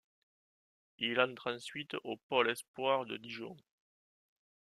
Il entre ensuite au pôle espoirs de Dijon.